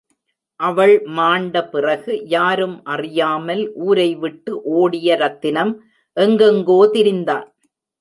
அவள் மாண்ட பிறகு, யாரும் அறியாமல் ஊரை விட்டு ஓடிய ரத்தினம், எங்கெங்கோ திரிந்தான்.